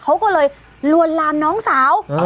เขาก็เลยลวนลามน้องสาว